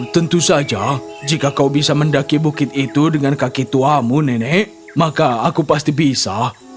tentu saja jika kau bisa mendaki bukit itu dengan kaki tuamu nenek maka aku pasti bisa